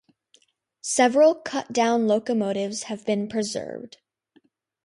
Several cut-down locomotives have been preserved.